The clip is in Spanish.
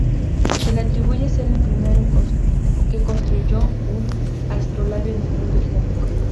Se le atribuye ser el primero que construyó un astrolabio en el mundo islámico.